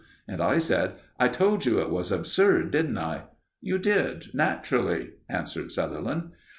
And I said: "I told you it was absurd, didn't I?" "You did naturally," answered Sutherland.